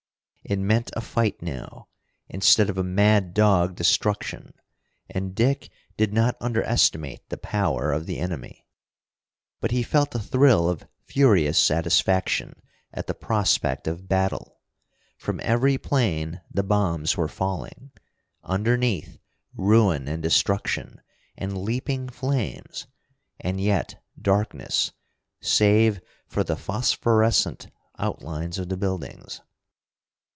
It meant a fight now, instead of a mad dog destruction, and Dick did not underestimate the power of the enemy. But he felt a thrill of furious satisfaction at the prospect of battle. From every plane the bombs were falling. Underneath, ruin and destruction, and leaping flames and yet darkness, save for the phosphorescent outlines of the buildings.